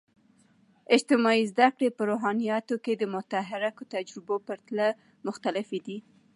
اجتماعي زده کړې په روحانيات کې د متحرک تجربو په پرتله مختلفې دي.